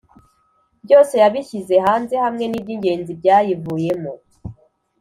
Byose yabishyize hanze hamwe n’iby’ingenzi byayivuyemo